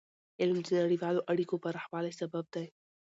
علم د نړیوالو اړیکو پراخوالي سبب دی.